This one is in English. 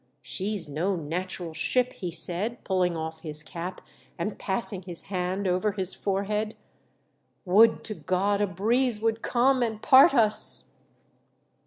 She's no natural ship," he said, pulling off his cap, and passing his hand over his forehead. " Would to God a breeze would come and part us."